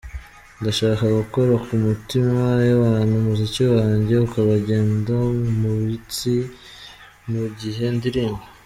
Ndashaka gukora ku mitima y’abantu, umuziki wanjye ukabagenda mu mitsi mu gihe ndirimba.